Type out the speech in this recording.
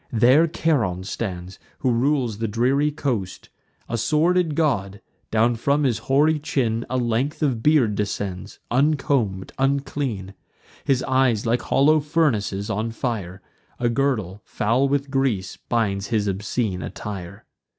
There Charon stands, who rules the dreary coast: A sordid god: down from his hoary chin A length of beard descends, uncomb'd, unclean; His eyes, like hollow furnaces on fire; A girdle, foul with grease, binds his obscene attire.